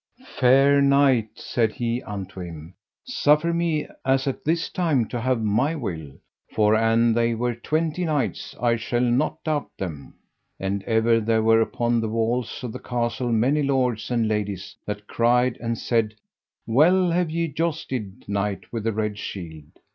Fair knight, said he unto him, suffer me as at this time to have my will, for an they were twenty knights I shall not doubt them. And ever there were upon the walls of the castle many lords and ladies that cried and said: Well have ye jousted, Knight with the Red Shield.